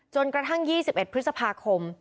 จนกระทั่ง๒๑พฤษภาคม